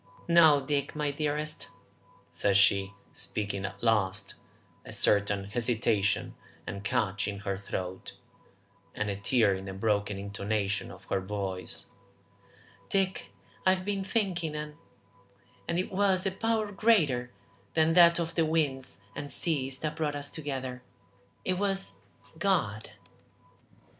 "No, Dick, my dearest," said she, speaking at last, a certain hesitation and catch in her throat and a tear in the broken intonation of her voice, "Dick, I've been thinking and and it was a power greater than that of the winds and seas that brought us together. It was God!"